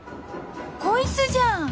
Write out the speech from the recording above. こいつじゃん！